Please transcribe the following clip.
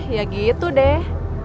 ya gitu deh